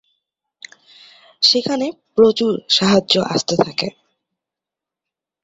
সেখানে প্রচুর সাহায্য আসতে থাকে।